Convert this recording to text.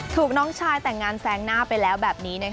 น้องชายแต่งงานแซงหน้าไปแล้วแบบนี้